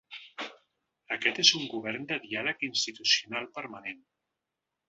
Aquest és un govern de diàleg institucional permanent.